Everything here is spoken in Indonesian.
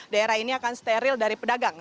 daerah ini akan steril dari pedagang